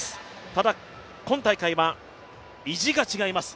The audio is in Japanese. ただ、今大会は意地が違います